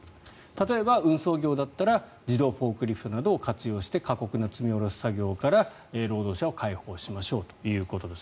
例えば運送業だったら自動フォークリフトなどを活用して過酷な積み下ろし作業から労働者を解放しましょうということです。